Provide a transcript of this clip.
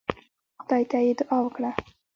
خدای ته يې دعا وکړه.